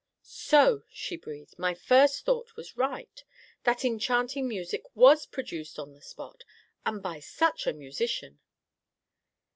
"So," she breathed, "my first thought was right. That enchanting music was produced on the spot. And by such a musician!"